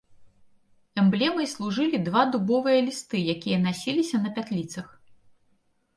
Эмблемай служылі два дубовыя лісты, якія насіліся на пятліцах.